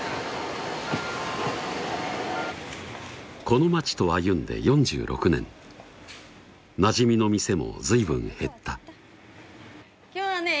この街と歩んで４６年なじみの店も随分減った今日はね